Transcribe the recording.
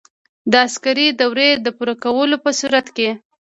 د عسکري دورې د پوره کولو په صورت کې.